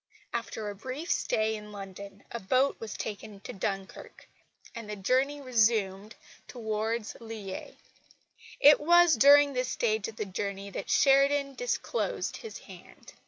After a brief stay in London a boat was taken to Dunkirk, and the journey resumed towards Lille. It was during this last stage of the journey that Sheridan disclosed his hand.